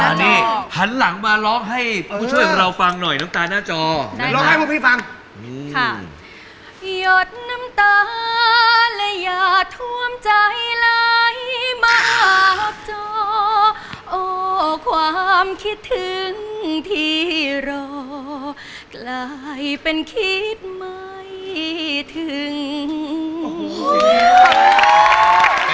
อ่าน้องอ้อมแนะนำตัวครับ